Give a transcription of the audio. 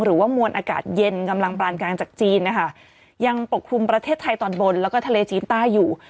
หรือว่ามวลอากาศเย็นกำลังปานกลางจากจีนนะคะยังปกคลุมประเทศไทยตอนบนแล้วก็ทะเลจีนใต้อยู่